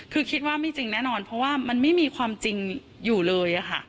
คือคิดว่าไม่จริงแน่นอนเพราะว่ามันไม่มีความจริงอยู่เลยค่ะ